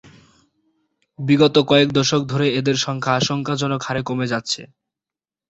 বিগত কয়েক দশক ধরে এদের সংখ্যা আশঙ্কাজনক হারে কমে যাচ্ছে।